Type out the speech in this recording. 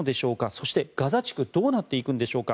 そして、ガザ地区どうなっていくんでしょうか。